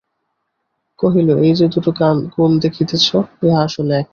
কহিল, এই-যে দুটো গোল দেখিতেছ, ইহা আসলে একটা।